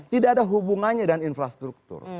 tidak ada hubungannya dengan infrastruktur